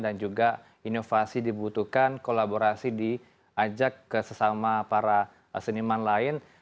dan juga inovasi dibutuhkan kolaborasi diajak ke sesama para seniman lain